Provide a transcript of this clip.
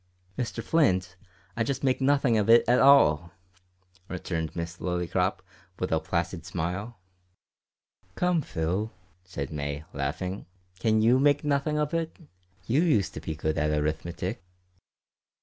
"Mr Flint, I just make nothing of it at all," returned Miss Lillycrop, with a placid smile. "Come, Phil," said May, laughing, "can you make nothing of it? You used to be good at arithmetic."